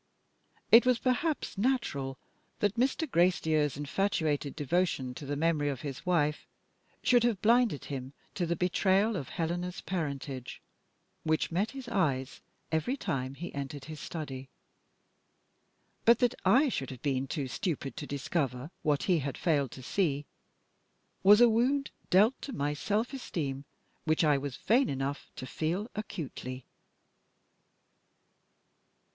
It was perhaps natural that Mr. Gracedieu's infatuated devotion to the memory of his wife should have blinded him to the betrayal of Helena's parentage, which met his eyes every time he entered his study. But that I should have been too stupid to discover what he had failed to see, was a wound dealt to my self esteem which I was vain enough to feel acutely.